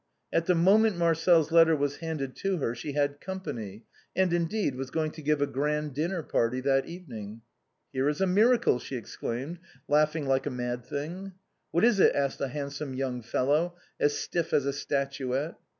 At the moment Marcel's letter was handed to her, she had company, and, indeed, was going to give a grand dinner party that evening. " Here is a miracle," she exclaimed, laughing like a mad thing. " What is it ?" asked a handsome young fellow, as stiff as a statuette.